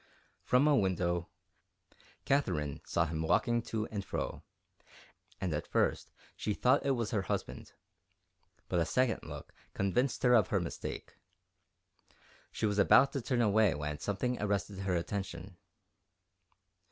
From a window, Katherine saw him walking to and fro, and at first she thought it was her husband, but a second look convinced her of her mistake. She was about to turn away when something arrested her attention.